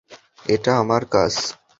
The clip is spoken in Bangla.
এটা আমার কাজ।